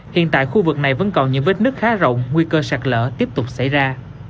hiện tại khu vực này vẫn còn những vết nứt khá rộng nguy cơ sạt lỡ tiếp tục xảy ra